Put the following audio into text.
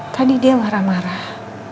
tadi dia marah marah